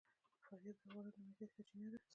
فاریاب د افغانانو د معیشت سرچینه ده.